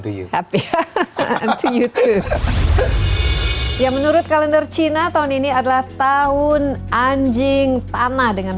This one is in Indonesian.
to you happy hahaha to youtube ya menurut kalender cina tahun ini adalah tahun anjing tanah dengan